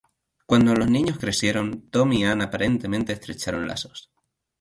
Cuando los niños crecieron, Tom y Ann aparentemente estrecharon lazos.